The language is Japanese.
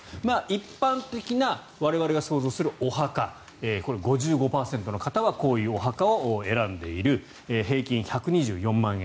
一般的な我々が想像するお墓これは５５％の方はこういうお墓を選んでいる平均１２４万円。